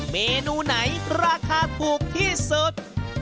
เมนูไหนราคาถูกที่สุด